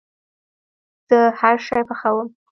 زه هرشی پخوم